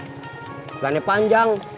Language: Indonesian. pelan pelan yang panjang